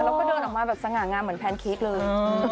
แล้วก็เดินออกมาแบบสง่างามเหมือนแพนเค้กเลย